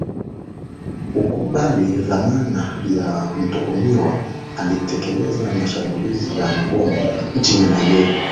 ukubali dhamana ya mtuhumiwa alitekeleza mashambulizi ya mabomu nchini nigeria